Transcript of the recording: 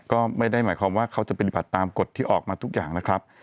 ก็ไม่ได้หมายความว่าเขาจะปฏิบัติตามกฎที่ออกมาทุกอย่างนะครับ